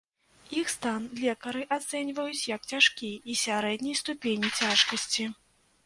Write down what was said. Іх стан лекары ацэньваюць як цяжкі і сярэдняй ступені цяжкасці.